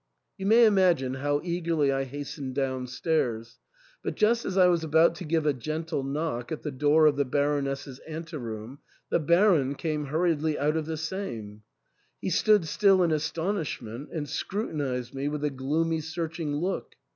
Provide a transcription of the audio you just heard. You may imagine how eagerly I hastened downstairs. But just as I was about to give a gentle knock at the door of the Baroness's anteroom, the Baron came hurriedly out of the same. He stood still in astonishment, and scruti nised me with a gloomy searching look.